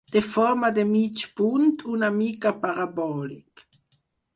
Té forma de mig punt una mica parabòlic.